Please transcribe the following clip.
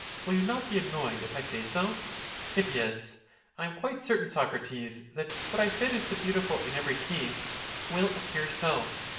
will you not be annoyed if I say so? [29.] Hip. Tam quite certain, Socrates, that what I said is the beautiful in every case, will appear so.